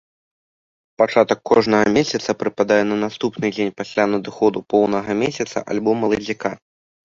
Пачатак кожнага месяца прыпадае на наступны дзень пасля надыходу поўнага месяца альбо маладзіка.